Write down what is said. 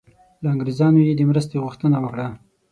له انګریزانو یې د مرستې غوښتنه وکړه.